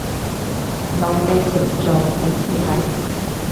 落地盤做，好似係